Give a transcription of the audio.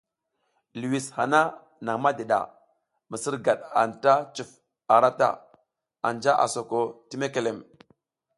Liwis hana nang madiɗa, misirgad anta cuf ara ta, anja a soko ti mekelem.